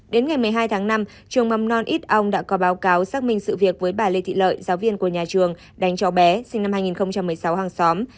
đến ngày một mươi hai tháng năm trường mầm non ít âu đã có báo cáo xác minh sự việc với bà lê thị lợi giáo viên của nhà trường đánh cho bé sinh năm hai nghìn một mươi sáu hàng xóm